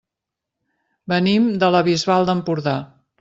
Venim de la Bisbal d'Empordà.